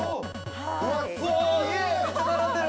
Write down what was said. ◆めっちゃ並んでる！